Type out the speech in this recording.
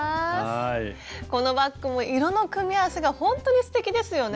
このバッグも色の組み合わせがほんとにすてきですよね。